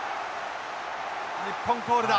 日本コールだ。